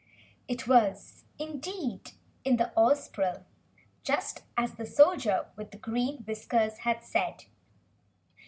It was indeed the Ozpril, just as the Soldier with Green Whiskers had said.